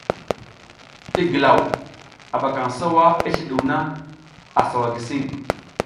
I gilaw, a ɓakaƞ sawa i sliɗuw na, a sawa gisiƞ.